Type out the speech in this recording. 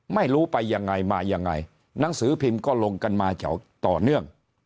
ไม่รู้ไปยังไงมายังไงหนังสือพิมพ์ก็ลงกันมาจากต่อเนื่อง